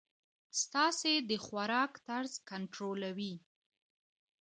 ستاسي د خوراک طرز کنټرولوی.